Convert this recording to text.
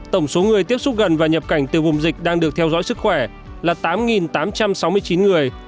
tổng số người tiếp xúc gần và nhập cảnh từ vùng dịch đang được theo dõi sức khỏe là tám tám trăm sáu mươi chín người